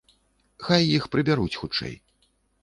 Хай іх прыбяруць хутчэй.